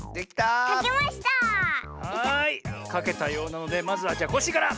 かけたようなのでまずはコッシーから。